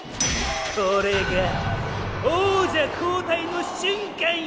これが王者交代の瞬間や！